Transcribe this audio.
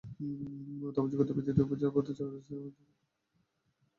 তবে যোগ্যতার ভিত্তিতে অফিসার পদে চাকরি স্থায়ী করতে পারে ব্যাংক কর্তৃপক্ষ।